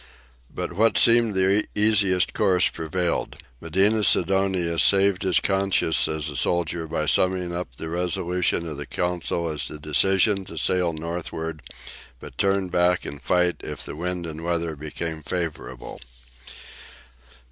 But what seemed the easiest course prevailed. Medina Sidonia saved his conscience as a soldier by summing up the resolution of the council as a decision to sail northward, but turn back and fight if the wind and weather became favourable.